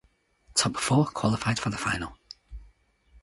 Top four qualified for the final.